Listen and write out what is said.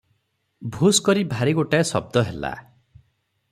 ଭୁଷ୍ କରି ଭାରି ଗୋଟାଏ ଶବ୍ଦ ହେଲା ।